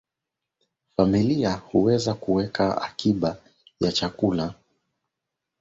Familia huweza kuweka akiba ya chakula mafuta na mali nyingine